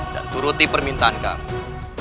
dan turuti permintaan kami